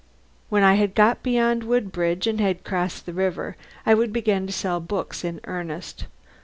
When I had got beyond Woodbridge, and had crossed the river, I would begin to sell books in earnest.